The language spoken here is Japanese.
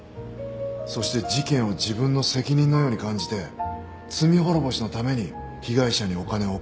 そして事件を自分の責任のように感じて罪滅ぼしのために被害者にお金を送った。